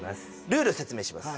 ルールを説明します